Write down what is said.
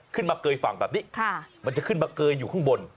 เกยฝั่งแบบนี้มันจะขึ้นมาเกยอยู่ข้างบน